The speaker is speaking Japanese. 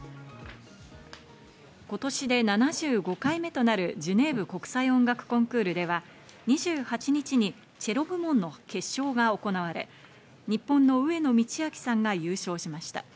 今年で７５回目となるジュネーブ国際音楽コンクールでは２８日にチェロ部門の決勝が行われ、日本の上野通明さんが優勝しました。